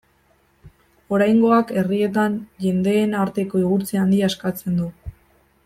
Oraingoak herrietan jendeen arteko igurtzi handia eskatzen du.